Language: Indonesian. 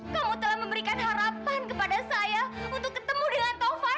kamu telah memberikan harapan kepada saya untuk ketemu dengan taufan